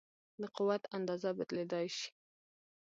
د قوت اندازه بدلېدای شي.